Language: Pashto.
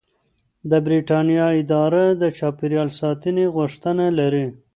د بریتانیا اداره د چاپیریال ساتنې غوښتنه لري.